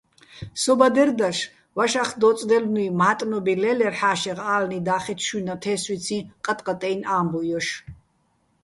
სო ბადერ დაშ ვაშა́ხდო́წდაჲლნუჲ მა́ტნობი ლე́ლერ ჰ̦ა́შეღ ა́ლნი და́ხეჩო შუჲ ნათე́სვიციჼ ყატყატეჲნო̆ ა́მბუჲ ჲოშ.